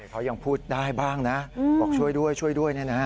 เขายังพูดได้บ้างนะอืมบอกช่วยด้วยช่วยด้วยเนี่ยนะ